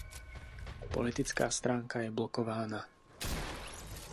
Politická stránka je blokována.